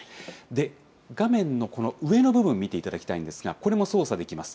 で、画面の上の部分、見ていただきたいんですが、これも操作できます。